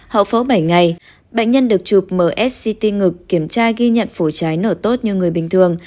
hậu phẫu bảy ngày bệnh nhân được chụp msct ngực kiểm tra ghi nhận phổ trái nở tốt như người bình thường